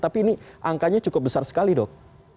tapi ini angkanya cukup besar sekali dok